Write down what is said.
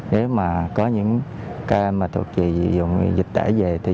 nếu có những ca thuộc dịch tễ về